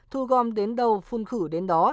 thu gom đến đâu phun khử đến đó